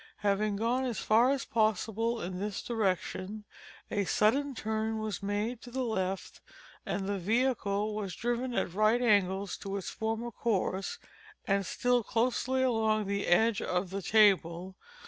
Having gone as far as possible in this direction, a sudden turn was made to the left, and the vehicle was driven at right angles to its former course, and still closely along the edge of the table.